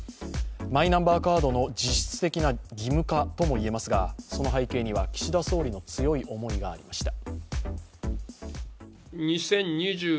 マイナンバーカードの実質的な義務化ともいえますがその背景には、岸田総理の強い思いがありました。